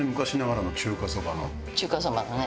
中華そばのね。